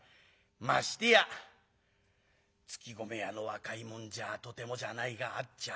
ましてや搗米屋の若い者じゃとてもじゃないが会っちゃもらえん。